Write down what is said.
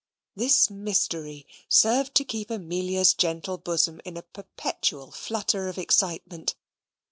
This mystery served to keep Amelia's gentle bosom in a perpetual flutter of excitement.